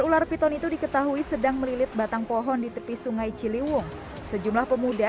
ular piton itu diketahui sedang melilit batang pohon di tepi sungai ciliwung sejumlah pemuda